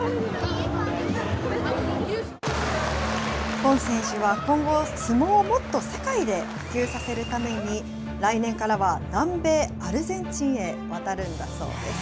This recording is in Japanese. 今選手は今後、相撲をもっと世界で普及させるために、来年からは南米アルゼンチンへ渡るんだそうです。